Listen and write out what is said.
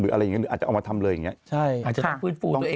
หรืออะไรอย่างนี้อาจจะเอามาทำเลยอย่างนี้